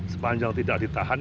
sepanjang tidak ditahan